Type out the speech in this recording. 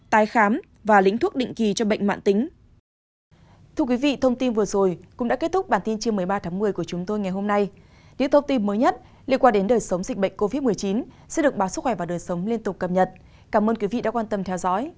tái khám và lĩnh thuốc định kỳ cho bệnh mạng tính